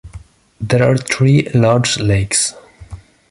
There are three large lakes.